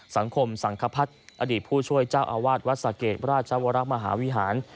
สังคมสังคพัฒน์อดีตผู้ช่วยเจ้าอาวาสวัดสะเกดราชวรมหาวิหาร